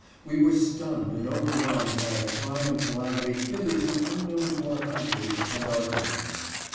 We were stunned and overwhelmed by a crime and calamity hitherto unknown to our country and our government.